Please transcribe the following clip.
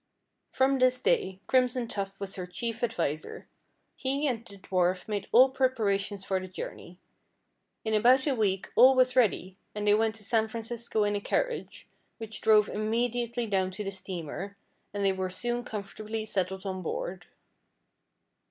From this day Crimson Tuft was her chief adviser. He and the dwarf made all preparations for the journey. In about a week all was ready, and they went to San Francisco in a carriage, which drove immediately down to the steamer, and they were soon comfortably settled on board.